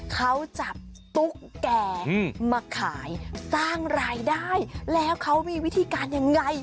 เขาจับตุ๊กแก่มาขายสร้างรายได้แล้วเขามีวิธีการยังไง